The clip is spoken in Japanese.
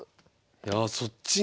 いやあそっちに？